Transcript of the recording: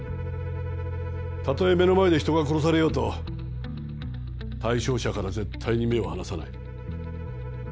たとえ目の前で人が殺されようと対象者から絶対に目を離さない。